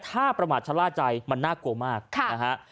ถ้าประมาทชะล่าใจมันน่ากลัวมากนะฮะ